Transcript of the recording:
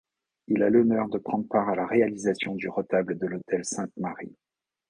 Il a l'honneur de prendre part à la réalisation du rétable de l'autel Sainte-Marie.